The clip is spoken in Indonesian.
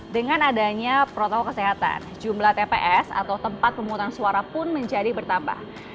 dengan adanya protokol kesehatan jumlah tps atau tempat pemungutan suara pun menjadi bertambah